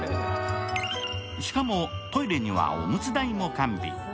しかも、トイレには、おむつ台も完備。